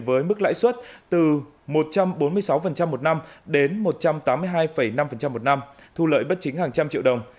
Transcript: với mức lãi suất từ một trăm bốn mươi sáu một năm đến một trăm tám mươi hai năm một năm thu lợi bất chính hàng trăm triệu đồng